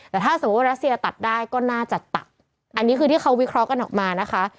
แต่ถ้าสมมุติว่ารัสเซียตัดได้ก็น่าจะตัดอันนี้คือที่เขาวิเคราะห์กันออกมานะคะ